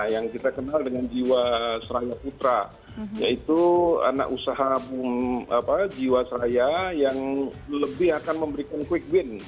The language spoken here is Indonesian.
yang kita kenal dengan jiwa seraya putra yaitu anak usaha jiwasraya yang lebih akan memberikan quick win